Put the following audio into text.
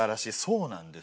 そうなんですよ。